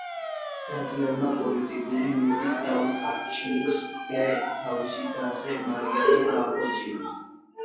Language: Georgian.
დადიანმა, პოლიტიკური მიზნით, დავით არჩილის ძე თავის დაზე, მარიამზე დააქორწინა.